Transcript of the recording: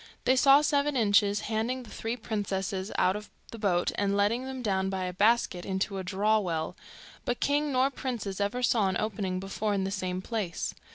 They saw Seven Inches handing the three princesses out of the boat, and letting them down by a basket into a draw well, but king nor princes ever saw an opening before in the same place.